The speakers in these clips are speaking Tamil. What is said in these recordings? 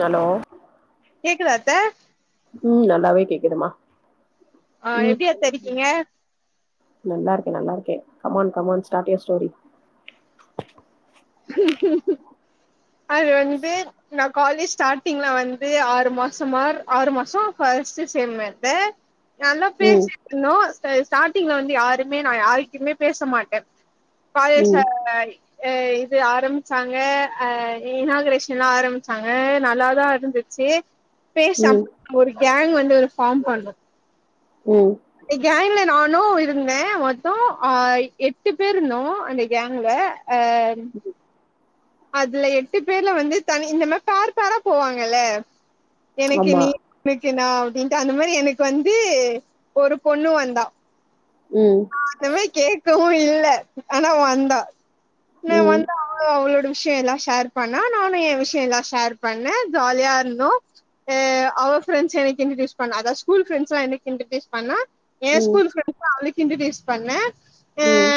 யலோ கேக்குதா அத்த உம் நல்லாவே கேக் கிதுமா ஆஹ் எப்டி அத்த இருக்கிங்க K come on come on start your story அது வந்து ந காலேஜ் ஸ்டார்டிங்ல வந்து ஆறு மாசமார் ஆறு மாசோ ஃபஸ்ட் செம் அத்த நல்லா ம் பேசிட்டுந்தோ த ஸ்டார்டிங்ல வந்து யாருமே நா யாருகிட்மே பேச மாட்டே ம் பாயசாய் ஏ இது ஆரம்புச்சாங்க அஹ் இனாக்ரேஷன் எல்லா ஆரம்பிச்சாங்க நல்லாதா இருந்துச்சி ம் பேசாம மொறைங் கேங் வந்து ஒரு ஃபார்ம் பண்ணோ ம் எ கேங்ல நா னு இருந்தே மொத்தோ அ எட்டு பேரு இருந்தோ அந்த கேங்ல அ அதுல எட்டு பேர்ல வந்து தனி இந்த மாரி பேர் பேரா போவாங்கல்ல எனக்கு ஆமா நீ உனக் க்கு நா அப்டின்ட்டு அந்த மாரி எனக்கு வந்து ஒரு பொண்ணு வந்தா ம் அதுவே கேக்கவு இல்ல, ஆனா வந்தா நா ம் வந்தா அவளு அவளோட விஷ்யோ எல்லா ஷேர் பண்ணா நானு எ விஷ்யோ எல்லா சேர் பண்ணே ஜாலியா இருந்தோ அ அவ ஃப்ரெண்ட்ஸ் எனக்கு இன்டர்டியூஸ் பண்ணா அதா ஸ்கூல் ஃப்ரண்ட்ஸ் எல்லா எனக்கு இன்டர்டியூஸ் பண்ணா ஏ ம் ஸ்கூல் ஃப்ரெண்ட்ஸ்லா அவளுக் இன்டுடியூஸ் பண்ணே ம்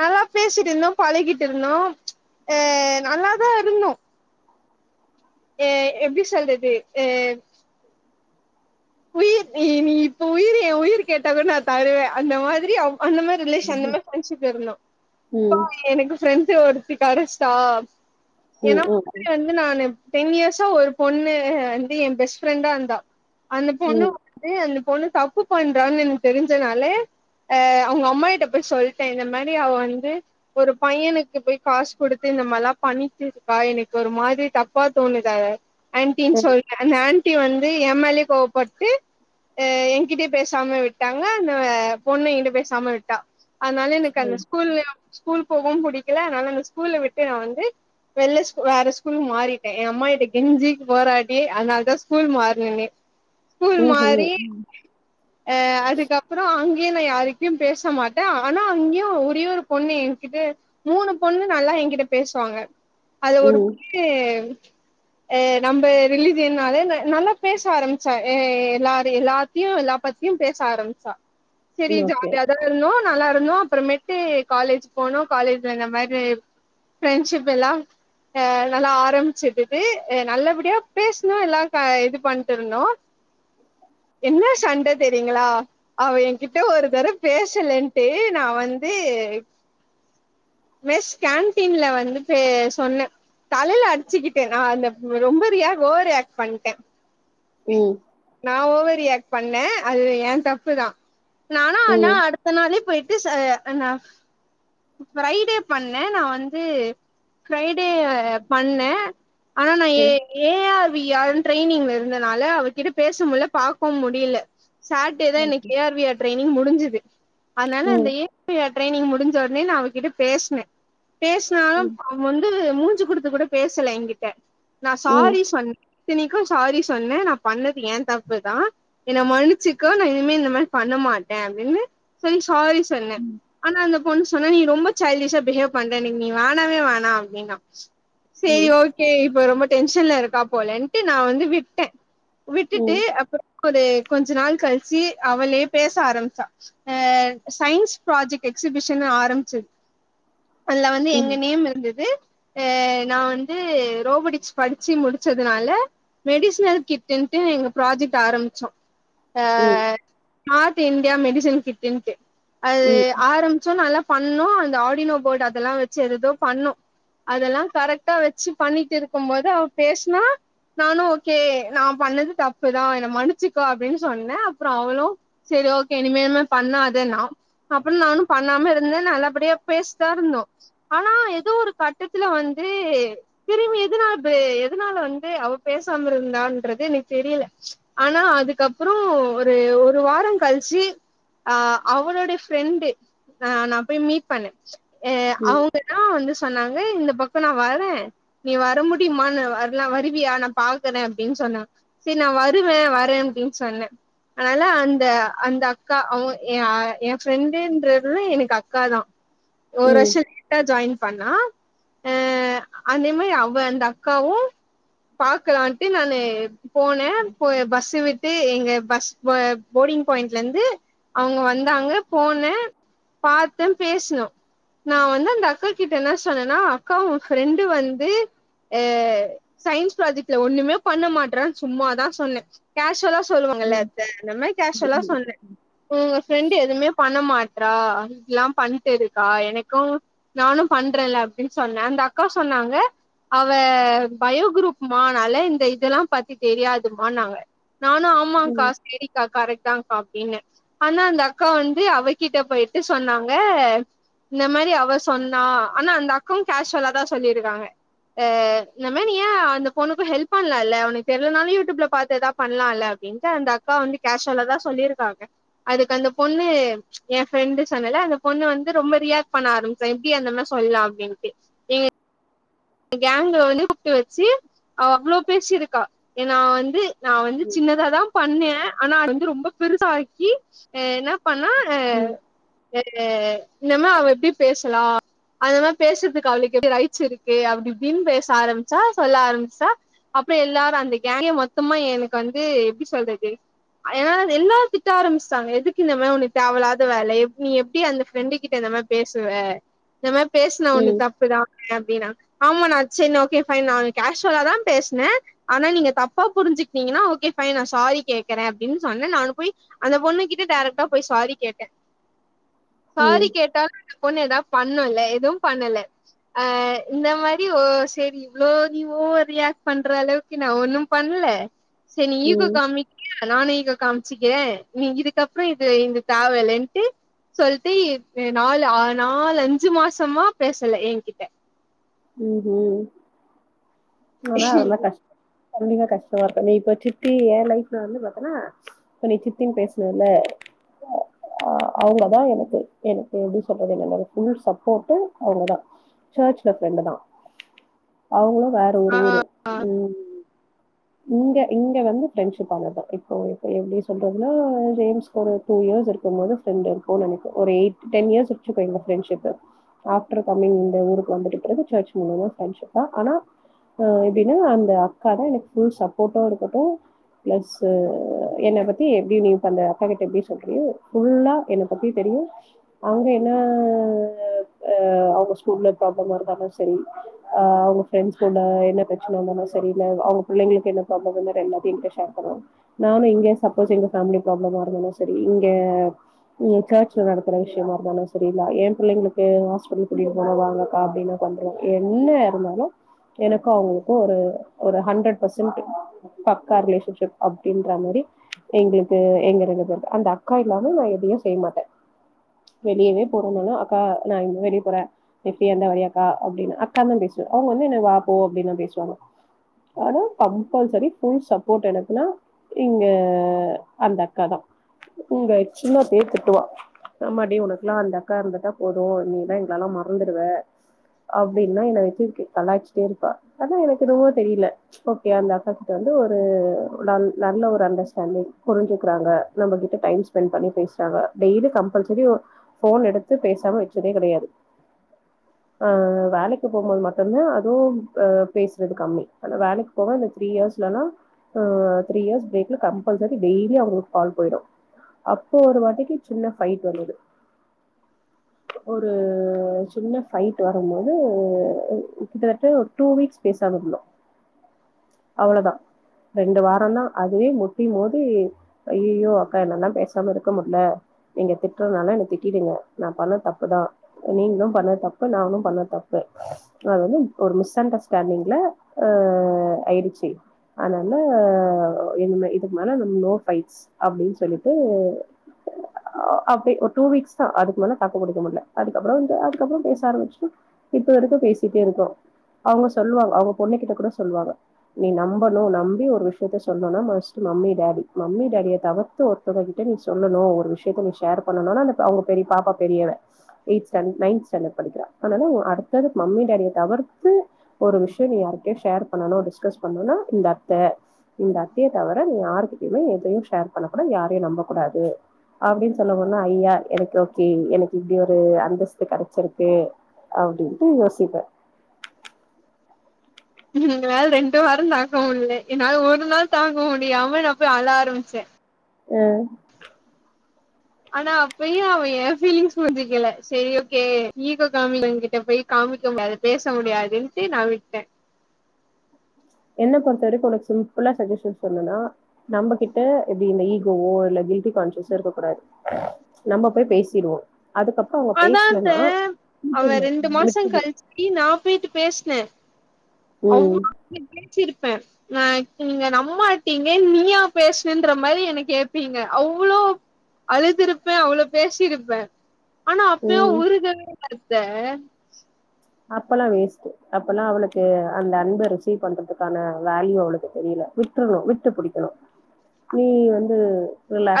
நல்லா பேசிட்டு இருந்தோ பழகிட்டு இருந்தோ அ நல்லாதா இருந்தோ ஏ எப்டி சொல்றது ஏ உயிர் நீ நீ இப்ப உயிர் ஏ உயிர் கேட்டா கூட நா தருவே அந்த மாதிரி அவ் அந்த மாறி ரிலேஷன் ம் அந்தம ஃப்ரெண்ட்ஷிப்ல இருந்தோ பா ம் எனக்கு ஃப்ரெண்ட் தி ஒருத்தி கெடஸ்டா ம் ம் ம் ஏன்னா ம் முன்னாடி வந்து நானு டென் இயர்சா ஒரு பொண்ணு வந்து என் பெஸ்ட் ஃப்ரெண்டா இருந்தா அந்த பொண்ணு வந்து அந்தப் பொண்ணு தப்பு பண்றான்னு எனக்கு தெரிஞ்சனாலே அ அவ்ங்க அம்மாகிட்ட போய் சொல்ட இந்த மாறி அவ வந்து ஒரு பையனுக்கு போய் காசு கொடுத்து இந்த மாறிலா பண்ணிட்டு இருக்கா எனக்கு ஒரு மாரி தப்பா தோணுத ஆன்டின்னு சொல்ட்டே அந்த ஆன் ட்டி வந்து ஏ மேலயே கோவபட்டு அ எங்கிட்டயே பேசாம விட்டாங்க அந்த பொண்ணு என்ட பேசாம விட்டா அதனால எனக்கு அந்த ஸ்கூல்லயா ஸ்கூல் போவும் பிடிக்கல அதனால அந்த ஸ்கூல்ல விட்டு நா வந்து வெள்ல ஸ்கூல் வேற ஸ்கூல் மாறிட்டே எ அம்மாகிட்ட கெஞ்சி போராடி அதனால தா ஸ்கூல் மாருனனே ம் ஸ்கூல் ம் மாறி ம் அ அதுக்கப்பரோ அங் நீ என்ன யாருயிட்டயு பேச மாட்ட ஆனா அங்கியும் ஒரே ஒரு பொண்ணு என்கிட்ட மூணு பொண்ணு நல்லா என்கிட்ட பேசுவாங்க அது ஒரு [inaudible] ம் ஏ நம்ம ரிலீஜினாலே ந நல்லா பேச ஆரம் சா எ எல்லார எல்லாத்தியு எல்லா பத்தியும் பேச ஆரம்மிச்சா சேரி ஓகே ஜாலியாத இருந்தோ நல்லா இருந்தோ அப்புறோமேட்டு காலேஜ் போனோ காலேஜ்ல இந்த மாரி ஃப்ரென்ஸீப்பெல்லா அ நல்லா ஆரம்பிச்சிட்டுட்டு நல்லபடியா பேசணோ எல்லா க இது பண்ட்டு இருந்தோ என்ன சண்ட தெரியுங்களா அவ என்கிட்ட ஒரு தரோ பேசலன்ட்டு நா வந்து மெஸ் கேன்டீன்ல வந்து பே சொன்ன தலைல அடிச்சிக்கிட்டே நா அந்த ரொம்ப ரியா ஓவரியாக்ட் பண்ட்ட ம் நா ஓவர் ரியாக்ட் பண்ண அது எ தப்பு தா நானா ஆனா ம் அடுத்த நாளே போயிட் பீஸு ஆனா ஃப்ரைடே பண்ணே நா வந்து ஃப்ரைடே அ பண்ண ஆனா நா ம் ஏ ம் ஏயால் வி ஆல் ட்ரைனிங் இருந்தனால அவருகிட்ட பேச முடில பாக்கவோ முடில சாட்டேதா எனக்கு ஏ ஆர் வியட் இனி முடிஞ்சுது அதனால ம் அந்த ம் [unintelligible] ட்ரெய்னிங் முடிஞ் சொன்னே நா அவகிட்ட பேசின பேசினாலோ ம் ம் அவ் வந்து மூஞ்சு குடுத்து கூட பேசல என்கிட்ட நா ம் ம் ம் ம் சாரி சொன் இத்தினிக்கோ சாரி சொன்ன நா பண்ணது ஏ தப்புதா என்ன மன்னிச்சிகோ நா இனிமே இந்த மாரி பண்ண மாட்ட அப்டின்னு சொல்லி சாரி சொன்ன ஆனா அந்த சொன்னா நீ ரொம்ப சைல்டிஷா பிஹேவ் பண்றனு நீ வேனவே வோனா அப்டீன்னா சரி ம் ம் ம் ம் ம் ம் ஓகே இப்ப ரொம்ப டென்ஷன்ல இருக்கா போலன்ட்டு நா வந்து விட்டே விட்டுட்டு அப்புறம் ஒரு கொஞ்ச நாள் கழிச்சு அவளே பேச ஆரம்பிச்சா அ சயின்ஸ் ப்ராஜெக்ட் எக்ஸ் பிஷன் ஆரம்பிச்சுது அதுல வந்து எங்க நேம் இருந்தது அ நான் வந்து ரோபோடிக்ஸ் படிச்சு முடிச்சதுனால மெடிசனல் கிட்டுன்டு எங்க ப்ராஜெக்ட் ஆரம்பிச்சோ ஆ நார்த் இந்தியா மெடிசனல் கிட்டுன்டு அது ஆரம் பத்ல நல்ல பண்ணோ அந்த ஆடினோ போர்ட் அதெல்லாம் வச்சு ஏதோ பண்ணோ அதெல்லா கரெக்டா வெச்சு பண்ணிட்டு இருக்கும் போது அவ பேசுனா நானும் ஓகே நான் பண்ணது தப்பு தான் என்ன மன்னிச்சுக்கோ அப்படின்னு சொன்னேன் அப்புறம் அவளும் சரி ஓகே இனிமேல் பண்ணாதன்னா அப்புறம் நானும் பண்ணாம இருந்திருந்தா நல்லபடியா பேசிட்டு தான் இருந்தோம் ஆனா ஏதோ ஒரு கட்டத்துல வந்து திரும்பி எதனால எதனால வந்து அவ பேசாம இருந்தாங்குறது எனக்கு தெரியல ஆனா அதுக்கப்புறோ ஒரு ஒரு வாரம் கழிச்சு ஆ அவளுோடைய ஃப்ரெண்டு ஆ நா போய் மீட் பண்ண ஏ அவுங்கதா வந்து ஸ் சொன்னாங்க இந்த பக்கம் நா வரேன் நீ வர முடியுமா வரலாம் வருவியா நா பாக்குறே அப்டின்னு சொன்னாங்க சேரி நா வருவேன் வரேன் அப்டின்னு சொன்னேன் அதனால அந்த அந்த அக்கா அவன் என் ஃபிரெண்டுன்ற எனக்கு அக்கா தா ஒரு வருஷம் கிட்ட ஜாயின் பண்ணா அ அதே மாரி அவ அந்த அக்காவும் பாக்கலாம்ட்டு நானு போனே பஸ்ஸவிட்டு எங்க பஸ் போர்டிங் பாயிண்ட்ல இருந்து அவங்க வந்தாங்க போனே பாத்தே பேசனும் நா வந்து அந்த அக்கா கிட்ட என்ன சொன்னேன்னா அக்கா உன் ஃப்ரெண்டு வந்து அ சயின்ஸ் ப்ராஜெக்ட்ல ஒண்ணுமே பண்ண மாட்டறான்னு சும்மாதா சொன்னே கேஷுவலா சொல்லுவாங்கல்ல அத நம்ம கேஷுவலா சொன்னே உங்க ஃப்ரெண்ட எதுவுமே பண்ண மாட் ட்றா இதெல்லாம் பண்ணட்டுருக்கா எனக்கு நானும் பண்றேன்ல அப்டின்னு சொன்னே அந்த அக்கா சொன்னாங்க அவ பயோ குரூப்மா அதனால இந்த இதெல்லாம் பத்தி தெரியாதுமா ன்னாங்க நானும் ஆமாக்கா செரிக்கா கரெக்ட் தான்கா அப்டின்ன ஆனா அந்த அக்கா வந்து கிட்ட போயிட்டு சொன்னாங்க இந்த மாரி அவ சொன்னா ஆனா அந்த அக்காவும் கேஷுவலா தா சொல்லியிருக்காங்க அ இந்த மாரி ஏன் அந்த பொண்ணுக்கும் ஹெல்ப் பண்ணலாம் இல்ல அவளுக்கு தெரியலனாலும் யூடியூப்ல பாத்து ஏதா பண்ணலாம்ல அப்டின்ட்டு அந்த அக்கா வந்து கேஷுவலா தா சொல்லியிருக்காங்க அதுக்கு அந்த பொண்ணு என் ஃப்ரெண்டு சொன்னேல்ல அந்த பொண்ணு வந்து ரொம்ப ரியாக்ட் பண்ண ஆரம்பிச்ச எப்டி அந்த மாரி சொல்லலாம் அப்டின்ட்டு கேங்கல வந்து கூப்பிட்டு வச்சு அவ அவ்ளோ பேசிருக்கா நா வந்து நா வந்து சின்னதாதா பண்ணேன் ஆனா அது வந்து ரொம்ப பெருசாக்கி என்ன பண்ணா அ ஏ இன்னம அவ எப்டி பேசலாம் அந்த மாரி பேசுறதுக்கு அவளுக்கு எப்டி ரைட்ஸ் இருக்கு அப்டி இப்டின்னு பேச ஆரம்பிச்சா சொல்ல ஆரம்பிச்சா அப்பற எல்லாரும் அந்த கேங்க் மொத்தமா எனக்கு வந்து எப்டி சொல்றது ஏனா எல்லாரும் திட்ட ஆரம்பிச்சுடாங்க எதுக்கு இந்த மாரி உனக்கு தேவல்லாத வேலை நீ எப்டி அந்த ஃப்ரெண்டு கிட்ட இந்த மாரி பேசுவ இந்த மாரி பேசினா வந்து தப்பு தா அப்டின்னாங்க ஆமா நா ஆ சேரி ஓகே ஃபன் நா கேஷுவலா தான் பேசினேன் ஆனா நீங்க தப்பா புரிஞ்சுக்னீங்கன்னா ஓகே ஃபைன் நா சாரி கேக்குறே அப்டின்னு சொன்னேன் நா போய் அந்த பொண்ணு கிட்ட டேரைக்ட்டா போய் சாரி கேட்டே ம் சாரி கேட்டா பொண்ணு ஏதாவது பண்ணும்ல எதுவும் பண்ணலை ஆ இந்த மாரி ஓ சேரி இவ்ளோ ரியாக்ட் பண்ற அளவுக்கு நா ஒண்ணும் பண்ல செரி ஈகோ ம் காமிக்ரியா நானு ஈகோ காமிச்சிக்கிறே நீ இதுக்கப்பறம் இது இந்த தேவலயில்லன்டு சொல்ட்டு நாலு நாலு அஞ்சு மாசமா பேசல என்கிட்ட ம் ம் அதா அதல்லாம் கஷ்டம் கண்டிப்பா கஷ்டமா இருக்கும் நீ இப்ப சித்தி என் லைப்ல வந்து பாத்தன்னா இப்ப நீ சித்தினு பேசனல்ல அவங்கதா எனக்கு எனக்கு எப்டி சொல்றது தெரியல ஃபுல் சப்போட்டு அவங்கதா சர்ச் ல ஃப்ரண்டுதா அவங்களும் ஆ ஒரு ஊரு ம் இங்க இங்க வந்து ப்ரெண்ட்ஷிப் ஆனதுதா இப்போ எப்டி சொல்றதுனா ஜேம்ஸ்க்கு ஒரு டூ இயர்ஸ் இருக்கும் போது ப்ரெண்ட் இருக்கும்னு நினைக்கிறே ஒரு எயிட் டென் இயர்ஸ் வச்சுக்கோ எங்க ப்ரெண்ட்ஷிப் ஆப்டர் கம்மிங் இந்த ஊருக்கு வந்துட்டு பிறகு சர்ச் பண்ணத ப்ரெண்ட்ஷிப் தா ஆனா ஆ எப்டின்னா அந்த அக்காதா எனக்கு ஃபுல் சப்போர்ட்டும் இருக்கட்டும் பிளஸ் என்னை பத்தி எப்டி நீ இப்ப அந்த அக்கா கிட்ட எப்டி சொல்றியோ ஃபுல்லா என்ன பத்தி தெரியும் அங்கே என்ன அவங்க ஸ்கூல்ல ப்ராப்ளம் இருந்தாலும் சேரி ஆ அவங்க ப்ரெண்ட் குள்ள என்ன பிரச்சன வந்தாலும் சரி இல்ல அவங்க புள்ளைங்களுக்கு என்ன ப்ராப்ளம் என்ன டைம்ல அப்பிடின்டு ஷேர் பண்ணுவோம் நானும் இங்கே சப்போஸ் எங்க பேமிலி ப்ராப்ளமா இருந்தாலும் சரி இங்கே சர்ச்ல நடக்கிற விஷயமா இருந்தாலும் சரில்ல என் பிள்ளைங்களுக்கு ஹாஸ்பிட்டல் கூட்டிட்டு போனு வாங்கக்கா அப்டின்னாக்கா வந்துடுவாங்க என்ன இருந்தாலும் எனக்கு அவங்களுக்கும் ஒரு ஹன்ரர் பர்சன்ட் பக்கா ரிலேஷன்ஷிப் அப்டின்ற மாரி எங்களுக்கு எங்க ரெண்டு பேருக்கும் அந்த அக்கா இல்லாம நா எதையும் செய்ய மாட்ட வெளியவே போறோம்னாலும் அக்கா நா வெளிய போறே நீ பிரியா இருந்தா வரியாக்கா அப்டின்னு அக்கா ன்னுதா பேசுவே அவங்க வந்து வந்து என்ன வா போ அப்டின்னுதா பேசுவாங்க ஆனா கம்பல்சரி ஃபுல் சப்போட் எனக்குனா இங்க அந்த அக்கா தா இங்க சும்மா பேருக்கு திட்டுவா ஆம்மாடி ஒன்னு இருக்குல அந்த அக்கா இருந்துட்டா போதும் நீயெல்லாம் எங்களை எல்லாம் மறந்துடுவே அப்படின்னா என்ன கிறுக்கு கலாய்ச்சிட்டே இருப்பா அதா எனக்கு என்னமோ தெரியல ஓகே அந்த அக்காகிட்ட வந்து ஒரு நல் நல்லவொரு அண்டர்ஸ்டாண்டிங் புரிஞ்சுக்கிறாங்க நம்மகிட்ட டைம் ஸ்பென் பண்ணி பேசுறாங்க டெய்லி கம்பல்சரி போன் எடுத்து பேசாம வச்சதே கிடையாது ஆ வேலைக்கு போகும் போது மட்டு ட்டுத்தா அதுவும் ஆ பேசுறது கம்மி ஆனா வேலைக்கு போவ அந்த த்ரீ இயர்ஸ்லலாம் ம் த்ரீ இயர்ஸ் கம்பல்சரி டெய்லி அவங்களுக்கு கால் போயிடும் அப்போ ஒரு வாட்டிக்கி சின்ன பைட் வந்தது ஒரு சின்ன பைட் வரும் போது கிட்டத்தட்ட டூ வீக்ஸ் பேசாம இருந்தோம் அவ்வளதா ரெண்டு வாரம்தா அதுவே முட்டி மோதி ஐய்யய்யோ அக்கா என்னால எல்லாம் பேசாம இருக்க முடியல நீங்க திட்டுறதுனால என்ன திட்டிடுங்க நா பண்ணது தப்புதா நீங்களும் பண்ணது தப்பு நானும் பண்ணது தப்பு அது வந்து ஒரு மிஸ் அண்டர்ஸ்டாண்டிங்ல ஆ ஆயிடுச்சு அதனால இது இதுக்கு மேல நம்ம திட்டிருக்கோம் அவங்க சொல்லுவாங்க அவங்க பொண்ண கிட்ட கூட சொல்லுவாங்க நீ நம்பனும் நம்பி ஒரு விஷயத்த சொன்னனா மஸ்ட் மம்மி டாடி மம்மி டாடிய தவிர்த்து ஒருத்தவங்ககிட்ட நீ சொல்லனும் ஒரு விஷயத்த நீ ஷேர் பண்ணனும்னு அவங்க பெரிய பாப்பா பெரியவ எயித் ஸ்டேண்டு நயன்த் ஸ்டேண்டடு படிக்கிறா அதனால அடுத்தது மம்மி டடிய தவிர்த்து ஒரு விசயம் நீ யார்கிட்டையும் ஷேர் பண்ணனும் டிஸ்கஸ் பண்ணனும்ன இந்த அத்தை இந்த அத்தைய தவர நீ யார்கிட்டையுமே எதையும் ஷேர் பண்ண கூட யாரையும் நம்ப கூடாது அப்டினு சொன் னோன ஐய்யா எனக்கு ஒருத்தி எனக்கு இப்படியொரு அந்தஸ்து கிடைச்சிருக்கு அப்டின்ட்டு யோசிப்பே எங்களால ரெண்டு வாரம் தாக்க முடியல என்னால ஒரு நாள் தாங்க முடியாம நா போய் அழ ஆரம்பிச்சே ம் ஆனா அப்பயும் அவ என் பீலிங்ஸ் புரிச்சிக்கல செரி ஓகே ஈகோ காமிக்கிறவங்க கிட்ட போயி காமிக்க முடியாது பேச முடியாதுன்ட்டு நா விட்டே என்ன பொறுத்த வரைக்கு உனக்கு சிம்பிளா சஜிஷன் சொன்னுனா நம்ம கிட்ட எப்டி இந்த ஈகோவோ இல்ல கில்டி கான்சிஸ் இருக்க கூடாது நம்ம போயி பேசிடுவோ அதுக்கப்றோ அவங்க பேசலனா அதான்த்தே அவன் ரெண்டு மாசம் விட்டுடு கழிச்சு நா போயிட்டு பேசுன ம் அவ்ளோவு [inaudible] பேச்சிருக்கு ப்ப அ நீங்க நம் மாட்டீங்க நீயா பேசணுன்ற மாரி என்ன கேப்பீங்க அவ்ளோ அழுதுருப்பே அவ்ளோ பேசிருப்பே ஆனா அப்பையு ம் ஒரு தடவ அத்தே அப்பன்னா வேஸ்ட்டு அப்பன்னா அவளுக்கு அந்த அன்ப ரிசீவ் பண்றதுக்கான வேல்யூ அவளுக்கு தெரியல விட்டுர்ணு விட்டு புடிக்கணு நீ வந்து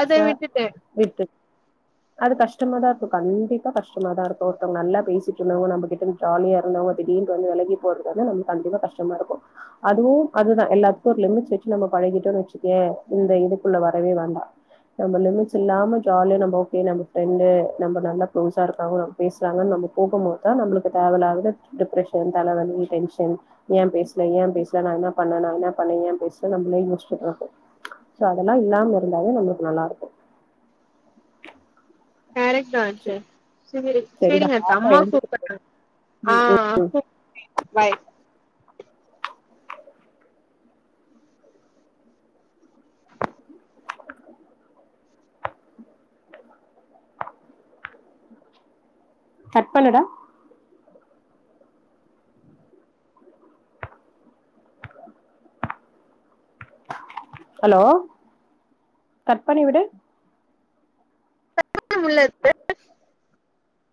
அத விட்டுட்டே விட் அது கஷ்டமா தா இருக்கு கண்டிப்பா கஷ்டமா தா இருக்கு ஒருத்தவங்க நல்லா பேசிட்டு இருந்தவங்க நம்ம கிட்ட ஜாலியா இருந்தவங்க திடீர்ன்னு வந்து விலகி போறதுக்காக நம்ம கண்டிப்பா கஷ்டமாருக்கு அதே அதுதா எல்லாத்துக்கும் ஒரு லிமிட்ஸ் வச்சு நம்ம பழகிட்டோன்னு வெச்சுக்கே இந்த இதுக்குள்ள வரவே வேண்டா நம்ம லிமிட்ஸ் இல்லாம ஜாலியா நம்ம ஒகே நம்ம ஃப்ரண்ட்டு நம்ப நல்லா பெளசா இருக்காவு பேசறாங்க நம்ம போகும் போதுதா நம்மளுக் இப்ப தேவல்லாதது டிப்ரஷன் தலைவலி டென்ஷன் ஏன் பேசல ஏன் பேசல நா என்ன பண்ணுனே நா என்ன பண்ணில ஏன் பேசில நம்மளே யோசிட்டு இருப்போ சோ அதெல்லா இல்லாம இருந்தாவே நம்மளுக்கு நல்லாருக்கு கரெக்ட் தா [unintelligible] செரி செரிடா செரிங்க இந்த பாப்பா அம்மா எழுந்துட்டு கூப்ட்றாங் ஆ [inaudible] பாய் கட் பண்ணுடா ஹலோ கட் பண்ணி விடு கட் பண்ண [unintelligible]